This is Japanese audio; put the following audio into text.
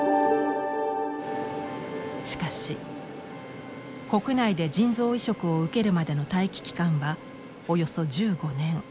しかし国内で腎臓移植を受けるまでの待機期間はおよそ１５年。